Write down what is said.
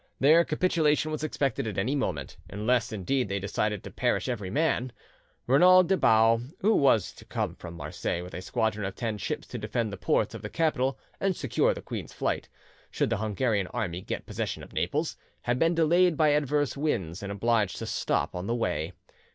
Their capitulation was expected at any moment, unless indeed they decided to perish every man. Renaud des Baux, who was to come from Marseilles with a squadron of ten ships to defend the ports of the capital and secure the queen's flight, should the Hungarian army get possession of Naples, had been delayed by adverse winds and obliged to stop on the way.